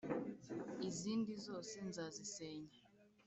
izindi zose nzazisenya